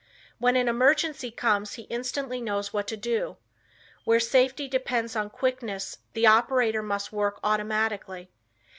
When an emergency comes he instantly knows what to do. Where safety depends on quickness the operator must work automatically.